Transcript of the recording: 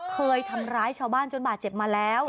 เคยทำร้ายชาวบ้านจนบาดเจ็บมาแล้ว